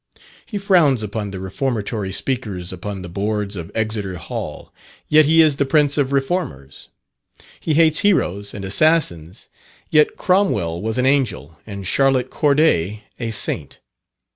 He frowns upon the Reformatory speakers upon the boards of Exeter Hall, yet he is the prince of reformers. He hates heroes and assassins, yet Cromwell was an angel, and Charlotte Corday a saint.